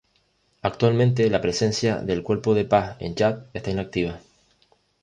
Actualmente, la presencia del Cuerpo de Paz en Chad está inactiva.